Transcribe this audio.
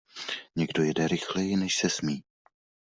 Někdo jede rychleji, než se smí.